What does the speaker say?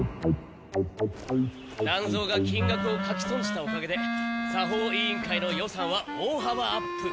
団蔵が金額を書きそんじたおかげで作法委員会の予算は大幅アップ。